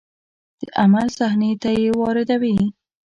د عمل صحنې ته یې واردوي.